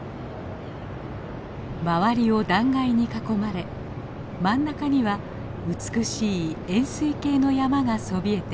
周りを断崖に囲まれ真ん中には美しい円すい形の山がそびえています。